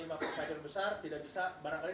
provider besar tidak bisa barangkali